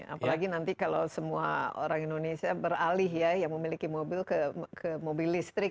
apalagi nanti kalau semua orang indonesia beralih ya yang memiliki mobil ke mobil listrik